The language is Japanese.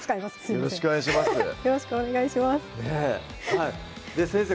よろしくお願いします先生